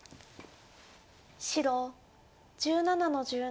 白１７の十七。